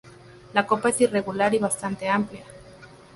La copa es irregular y bastante amplia.